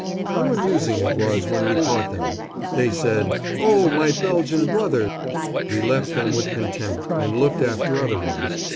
How amusing it was when we caught them! They said, "Oh, my Belgian brother!" We left them with contempt, and looked after other ones.